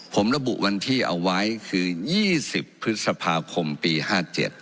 ผมระบุวันที่เอาไว้คือ๒๐พฤษภาคมปี๕๗